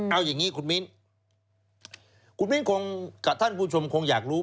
เอาอย่างนี้คุณมิ้นคุณมิ้นคงกับท่านผู้ชมคงอยากรู้